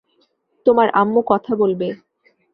তোমার আম্মু কথা বলবে।